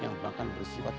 yang bahkan bersifat